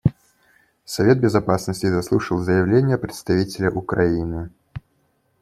Совет Безопасности заслушал заявление представителя Украины.